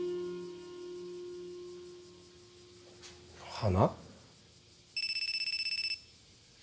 花？